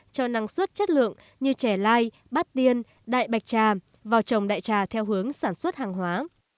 cho năng suất chất lượng như chè lai bát tiên đại bạch tràm vào trồng đại trà theo hướng sản xuất hàng hóa